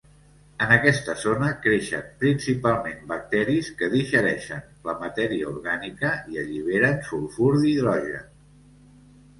En aquesta zona creixen principalment bacteris que digereixen la matèria orgànica i alliberen sulfur d'hidrogen.